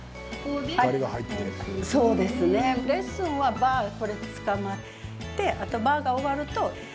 レッスンはバー、これつかまってあとバーが終わると鏡に向かって。